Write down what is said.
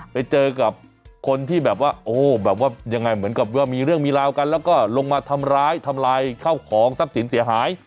ไปเจอกับคนที่แบบว่าโอ้แบบว่ายังไงเหมือนกับว่ามีเรื่องมีราวกันแล้วก็ลงมาทำร้ายทำลายข้าวของทรัพย์สินเสียหาย